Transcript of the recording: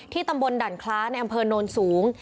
ตำบลด่านคล้าในอำเภอโนนสูง